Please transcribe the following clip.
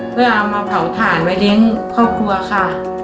เพื่อเอามาเผาถ่านไว้เลี้ยงครอบครัวค่ะ